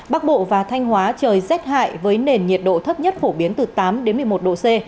bắc bộ và thanh hóa trời rét hại với nền nhiệt độ thấp nhất phổ biến từ tám đến một mươi một độ c